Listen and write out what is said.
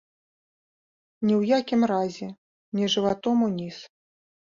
Ні ў якім разе не жыватом уніз.